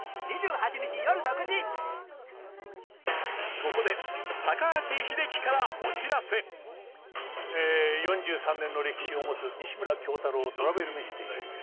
ここで４３年の歴史を持つ『西村京太郎トラベルミステリー』。